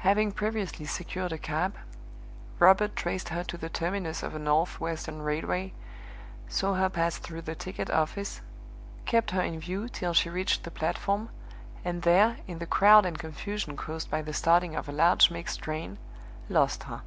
Having previously secured a cab, Robert traced her to the terminus of the North Western Railway, saw her pass through the ticket office, kept her in view till she reached the platform, and there, in the crowd and confusion caused by the starting of a large mixed train, lost her.